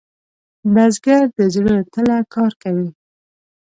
بزګر د زړۀ له تله کار کوي